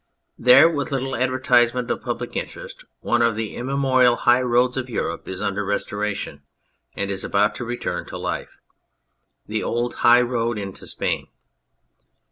There, with little advertisement of public interest, one of the immemorial high roads of Europe is under restoration and is about to return to life : the old High Road into Spain.